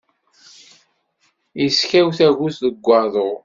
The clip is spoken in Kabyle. Iskaw tagut deg waḍu.